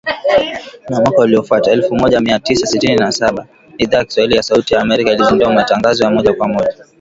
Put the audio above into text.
Na mwaka uliofuata, elfu moja mia tisa sitini na saba, Idhaa ya Kiswahili ya Sauti ya Amerika ilizindua matangazo ya moja kwa moja